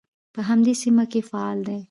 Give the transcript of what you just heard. په همدې سیمه کې فعال دی.